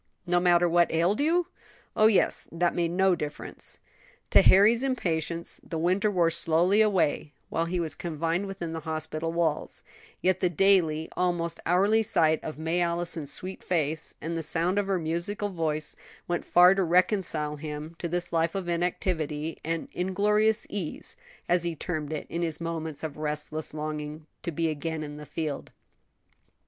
"No matter what ailed you?" "Oh, yes; that made no difference." To Harry's impatience the winter wore slowly away while he was confined within the hospital walls; yet the daily, almost hourly sight of May Allison's sweet face, and the sound of her musical voice, went far to reconcile him to this life of inactivity and "inglorious ease," as he termed it in his moments of restless longing to be again in the field.